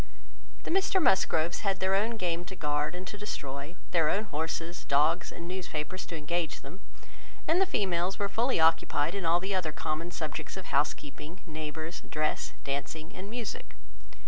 The Mr Musgroves had their own game to guard, and to destroy, their own horses, dogs, and newspapers to engage them, and the females were fully occupied in all the other common subjects of housekeeping, neighbours, dress, dancing, and music.